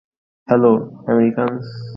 Hello, Americans.